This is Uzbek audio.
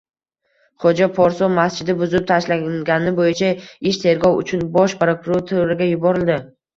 Xo‘ja Porso masjidi buzib tashlangani bo‘yicha ish tergov uchun Bosh prokuraturaga yuborildi